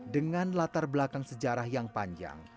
dengan latar belakang sejarah yang panjang